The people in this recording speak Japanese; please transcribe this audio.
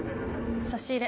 差し入れ。